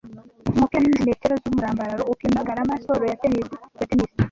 Umupira ni milimetero z'umurambararo upima garama , siporo ya Tenisi ya Tenisi